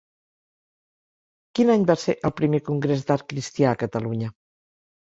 Quin any va ser el Primer Congrés d'Art Cristià a Catalunya?